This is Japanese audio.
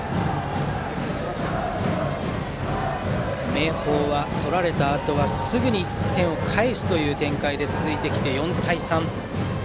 明豊はとられたあとはすぐに点を返す展開で続いてきて４対３。